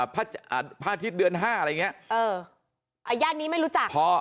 พระอาทิตย์เดือน๕อะไรอย่างนี้ย่านนี้ไม่รู้จักพอ